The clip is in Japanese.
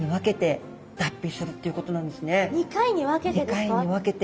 ２回に分けて。